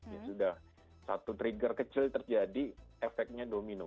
ya sudah satu trigger kecil terjadi efeknya domino